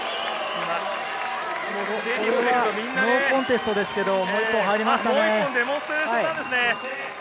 ノーコンテストですが、もう一本入りましたね。